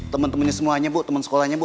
temen temennya semuanya bu temen sekolahnya bu